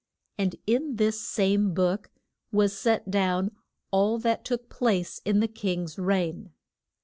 And in this same book was set down all that took place in the king's reign.